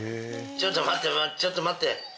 ちょっと待てちょっと待って。